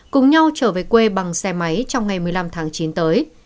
cùng nhau trở về quê bằng xe máy trong ngày một mươi năm tháng chín tới